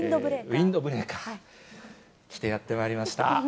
ウインドブレーカー、着てやってまいりました。